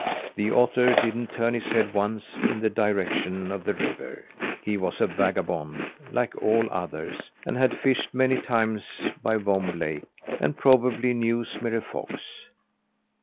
The otter didn't turn his head once in the direction of the river. He was a vagabond like all otters and had fished many times by Vomb Lake, and probably knew Smirre Fox.